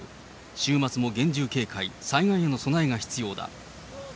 週末も厳重警戒、災害への備えが必要だ。